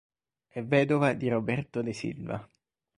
È vedova di Roberto de Silva.